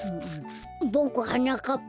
ボクはなかっぱ。